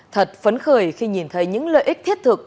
thật phấn khởi khi nhìn thấy những lợi ích thiết thực